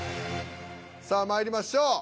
さあまいりましょう。